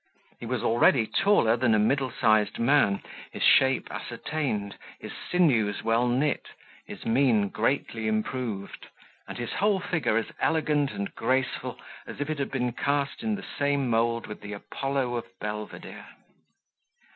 He was already taller than a middle sized man, his shape ascertained, his sinews well knit, his mien greatly improved, and his whole figure as elegant and graceful as if it had been cast in the same mould with the Apollo of Belvedere.